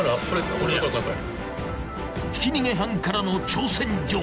［ひき逃げ犯からの挑戦状］